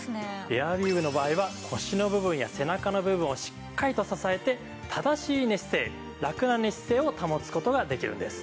エアウィーヴの場合は腰の部分や背中の部分をしっかりと支えて正しい寝姿勢ラクな寝姿勢を保つ事ができるんです。